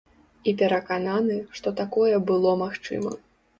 І перакананы, што такое было магчыма.